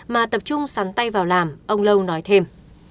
mà tập trung sắn tay vào làm ông lâu nói thêm